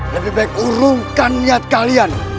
lebih baik urungkan niat kalian